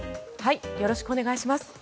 よろしくお願いします。